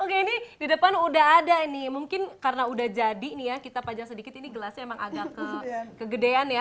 oke ini di depan udah ada nih mungkin karena udah jadi nih ya kita panjang sedikit ini gelasnya emang agak kegedean ya